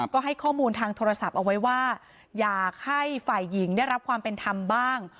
ก็ให้ข้อมูลทางโทรศัพท์เอาไว้ว่าอยากให้ฝ่ายหญิงได้รับความเป็นธรรมบ้าง